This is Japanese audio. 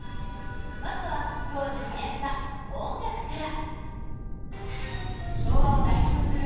まずは当時はやった音楽から。